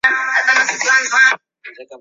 玉山双叶兰为兰科双叶兰属下的一个种。